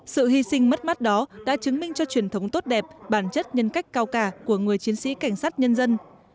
sự hy sinh mất mắt đó đã chứng minh cho truyền thống tốt đẹp bản chất nhân cách cao cả của người chiến sĩ cảnh sát nhân dân